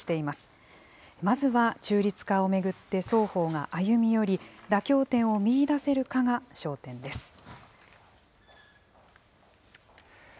まずは中立化を巡って、双方が歩み寄り、妥協点を見いだせるかが焦点です。